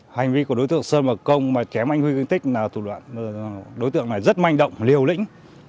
hành vi của đối tượng sơn và công mà chém anh huy thương tích là thủ đoạn đối tượng này rất manh động liều lĩnh